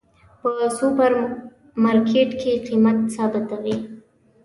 په سوپر مرکیټ کې قیمت ثابته وی